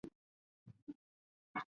许多志同道合者都在这里寻找对象。